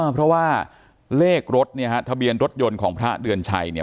เพราะว่าเลขรถเนี่ยฮะทะเบียนรถยนต์ของพระเดือนชัยเนี่ย